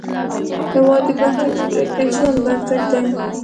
هیواد د ژوند بنسټ دی